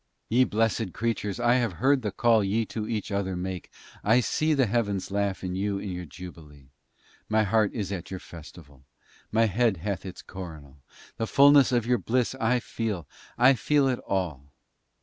Ye blessed Creatures, I have heard the call Ye to each other make; I see The heavens laugh with you in your jubilee; My heart is at your festival, My head hath it's coronal, The fullness of your bliss, I feel— I feel it all.